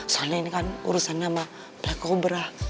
soalnya ini kan urusan sama black cobra